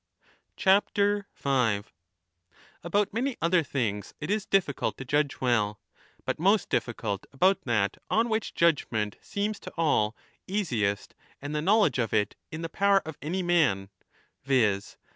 15 About many other things it is difficult to judge well, but 5 most difficult about that on which judgement seems to all easiest and the knowledge of it in the power of any man — viz.